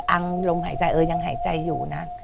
ังลมหายใจเออยังหายใจอยู่นะ